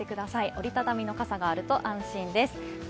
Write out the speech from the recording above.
折り畳みの傘があると安心です。